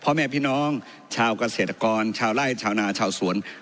เพราะแม่พี่น้องชาวกเศรษฐกรชาวไร่ชาวนาชาวสวน